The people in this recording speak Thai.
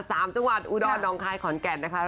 สามจังหวัดอุดรน้องคายขอนแก่นนะคะ